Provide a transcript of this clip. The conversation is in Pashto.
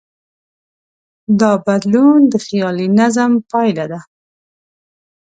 دا بدلون د خیالي نظم پایله ده.